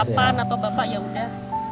masa harapan atau bapak ya sudah